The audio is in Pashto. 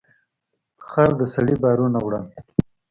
خر د سړي بارونه وړل.